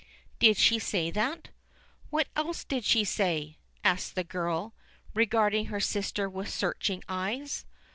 "Did she say that? What else did she say?" asks the girl, regarding her sister with searching, eyes.